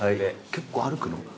結構歩くの？